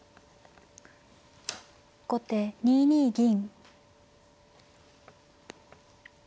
後手２二銀。